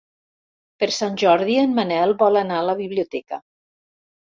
Per Sant Jordi en Manel vol anar a la biblioteca.